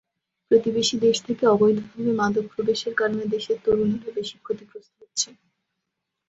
প্রতিবেশী দেশ থেকে অবৈধভাবে মাদক প্রবেশের কারণে দেশের তরুণেরা বেশি ক্ষতিগ্রস্ত হচ্ছে।